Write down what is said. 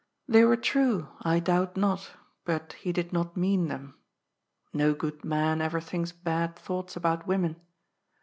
They were true, I doubt not, but he did not mean them. Ko good man ever thinks bad thoughts about women.